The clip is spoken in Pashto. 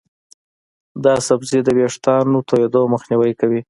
دا سبزی د ویښتانو تویېدو مخنیوی کوي.